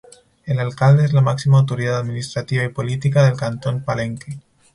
El Alcalde es la máxima autoridad administrativa y política del cantón Palenque.